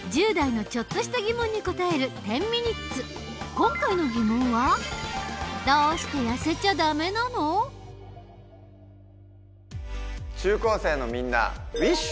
今回の疑問は中高生のみんなウィッシュ！